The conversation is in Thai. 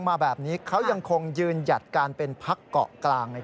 กรณีนี้ทางด้านของประธานกรกฎาได้ออกมาพูดแล้ว